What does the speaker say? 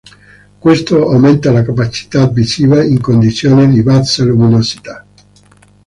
Questo aumenta la capacità visiva in condizioni di bassa luminosità.